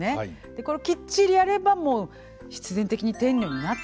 これをきっちりやればもう必然的に天女になってると。